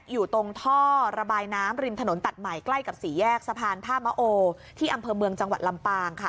อยู่ตรงท่อระบายน้ำริมถนนตัดใหม่ใกล้กับสี่แยกสะพานท่ามะโอที่อำเภอเมืองจังหวัดลำปางค่ะ